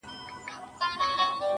• اوس مي د كلي ماسومان ځوروي.